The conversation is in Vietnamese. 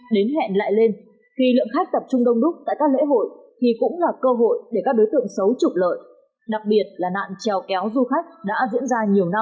đến hẹn lại lên khi lượng khách tập trung đông đúc tại các lễ hội thì cũng là cơ hội để các đối tượng xấu trục lợi đặc biệt là nạn trèo kéo du khách đã diễn ra nhiều năm